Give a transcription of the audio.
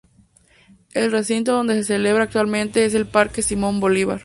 El recinto donde se celebra actualmente es el Parque Simón Bolívar.